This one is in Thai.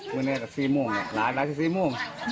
เมื่อนี้ก็๔โมงหลายก็๔โมง